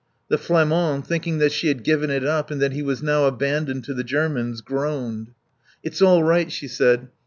The Flamand, thinking that she had given it up and that he was now abandoned to the Germans, groaned. "It's all right," she said.